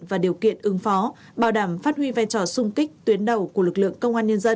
và điều kiện ứng phó bảo đảm phát huy vai trò sung kích tuyến đầu của lực lượng công an nhân dân